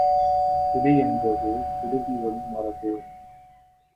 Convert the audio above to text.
குடி என்பது குருதி வழி மரபு.